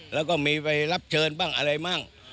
แล้วก็มีไปรับเชิญบ้างอะไรบ้าง